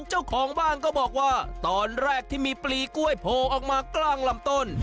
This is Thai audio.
เจ้าของบ้านก็บอกว่าตอนแรกที่มีปลีกล้วยโผล่ออกมากลางลำต้น